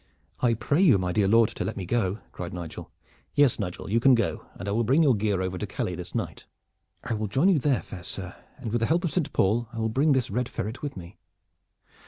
"I pray you, my dear lord, to let me go!" cried Nigel. "Yes, Nigel, you can go, and I will bring your gear over to Calais this night." "I will join you there, fair sir, and with the help of Saint Paul I will bring this Red Ferret with me."